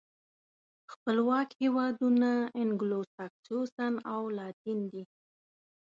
خپلواک هېوادونه انګلو ساکسوسن او لاتین دي.